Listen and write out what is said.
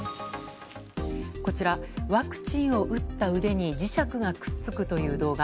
こちら、ワクチンを打った腕に磁石がくっつくという動画。